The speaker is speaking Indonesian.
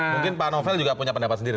mungkin pak novel juga punya pendapat sendiri